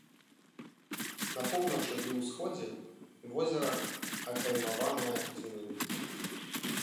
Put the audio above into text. На поўначы і ўсходзе возера акаймаванае дзюнамі.